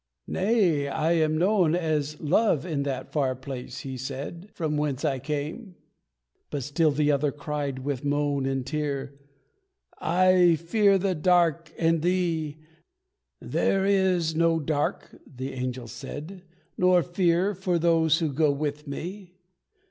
"Nay I am known as 'Love' in that far place," He said, "from whence I came." But still the other cried, with moan and tear, "I fear the dark and thee!" "There is no dark," the angel said, "nor fear, For those who go with me.